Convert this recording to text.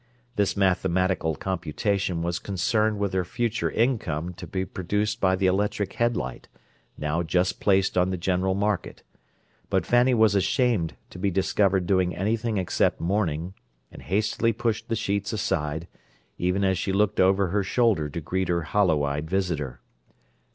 This mathematical computation was concerned with her future income to be produced by the electric headlight, now just placed on the general market; but Fanny was ashamed to be discovered doing anything except mourning, and hastily pushed the sheets aside, even as she looked over her shoulder to greet her hollow eyed visitor.